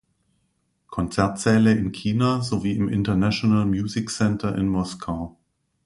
Konzertsäle in China sowie im International Music Center in Moskau.